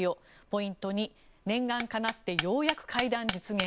ポイント２念願かなってようやく会談実現。